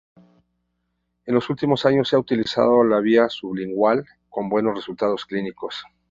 En los últimos años se ha utilizado la vía sublingual, con buenos resultados clínicos.